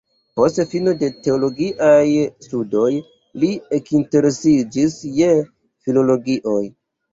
Post fino de teologiaj studoj li ekinteresiĝis je filologio.